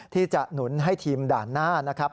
หนุนให้ทีมด่านหน้านะครับ